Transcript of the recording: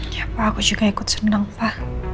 ya pa aku juga ikut senang pa